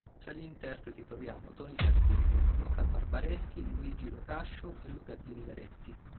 Tra gli interpreti troviamo Toni Servillo, Luca Barbareschi, Luigi Lo Cascio e Luca Zingaretti.